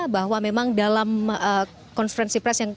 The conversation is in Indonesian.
bahwa memang dalam konferensi pres yang